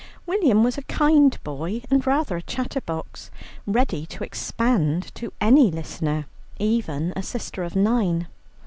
William was a kind boy and rather a chatterbox, ready to expand to any listener, even a sister of nine.